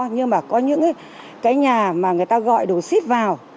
nhưng mà có những cái nhà mà người ta gọi đồ xít vào